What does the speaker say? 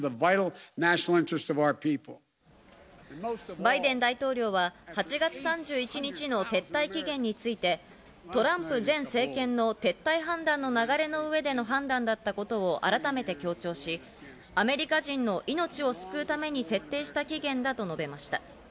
バイデン大統領は８月３１日の撤退期限について、トランプ前政権の撤退判断の流れの上での判断だったことを改めて強調し、アメリカ人の命を救うために設定した期限だと述べました。